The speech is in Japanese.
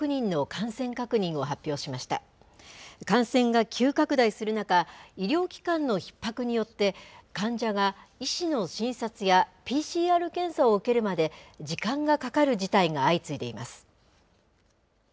感染が急拡大する中、医療機関のひっ迫によって、患者が医師の診察やＰＣＲ検査を受けるまで時間がかかる事態が相次いでいます。